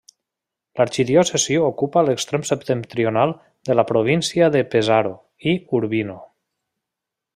L'arxidiòcesi ocupa l'extrem septentrional de la província de Pesaro i Urbino.